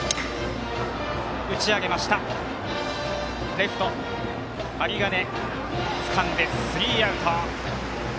レフト、針金、つかんでスリーアウト。